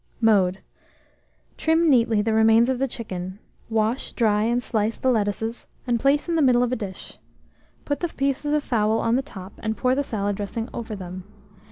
Mode. Trim neatly the remains of the chicken; wash, dry, and slice the lettuces, and place in the middle of a dish; put the pieces of fowl on the top, and pour the salad dressing over them.